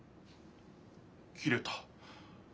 切れた。